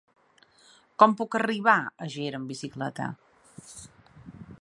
Com puc arribar a Ger amb bicicleta?